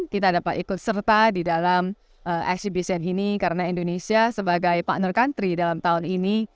kita dapat ikut serta di dalam exhibition ini karena indonesia sebagai partner country dalam tahun ini